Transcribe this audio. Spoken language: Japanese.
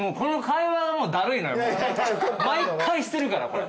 毎回してるからこれ。